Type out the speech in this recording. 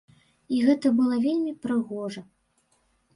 І гэта было вельмі прыгожа.